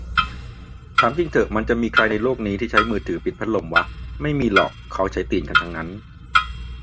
ถามจริงเถอะมันจะมีใครในโลกนี้ที่ใช้มือปิดพัดลมวะ ไม่มีหรอก เค้าก็ใช้ตีนกันทั้งนั้น